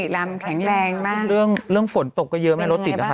กล่้าปุญดำแข็งแรงมากเรื่องเรื่องฝนตกก็เยอะมากยกลดติดนะคะ